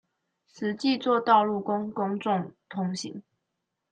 實際作道路供公眾通行